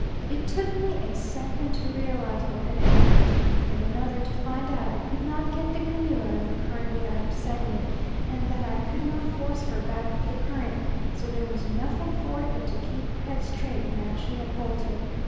It took me a second to realise what had happened, and another to find out I could not get the canoe out of the current without upsetting it, and that I could not force her back up the current, so there was nothing for it but to keep her head straight now she had bolted.